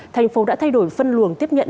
thành phố đã thay đổi phân luồng tiếp nhận